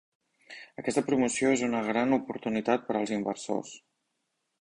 Aquesta promoció és una gran oportunitat per als inversors.